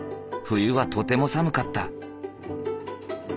冬はとても寒かった。